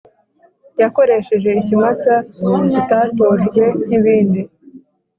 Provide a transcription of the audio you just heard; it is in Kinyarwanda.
yakoresheje ikimasa kitatojwe nkibindi